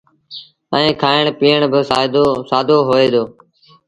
ائيٚݩ کآڻ پيٚئڻ با سآدو هوئي دو۔